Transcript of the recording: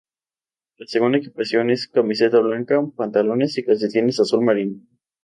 La segunda equipación es camiseta blanca y pantalones y calcetines azul marino.